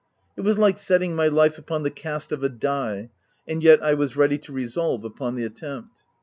It was like setting my life upon the cast of a die ; and yet, I was ready to resolve upon the at tempt.